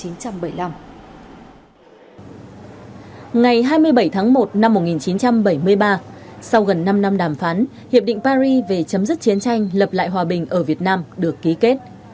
ngày hai mươi bảy tháng một năm một nghìn chín trăm bảy mươi ba sau gần năm năm đàm phán hiệp định paris về chấm dứt chiến tranh lập lại hòa bình ở việt nam được ký kết